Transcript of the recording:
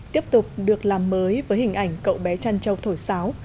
tiếp tục được làm mới với hình ảnh cậu bé trăn châu thổi sáo